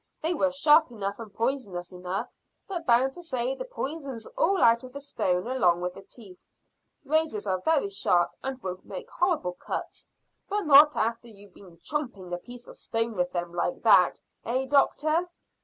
They were sharp enough and poisonous enough, but bound to say the poison's all out on the stone, along with the teeth. Razors are very sharp and would make horrible cuts, but not after you'd been chopping a piece of stone with them like that, eh, doctor?"